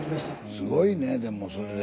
すごいねでもそれで。